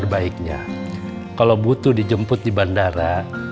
baiknya kalau butuh dijemput di bandara